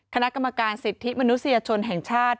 คณะกรรมการสิทธิมนุษยชนแห่งชาติ